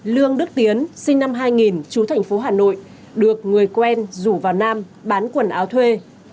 lương đức tiến sinh năm hai nghìn chú thành phố hà nội được người quen rủ vào nam bán quần áo thuê